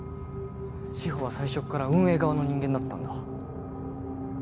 志法は最初から運営側の人間だったんだ。